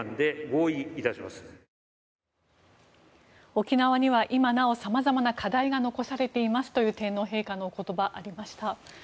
沖縄には今なお様々な課題が残されていますという天皇陛下のお言葉がありました。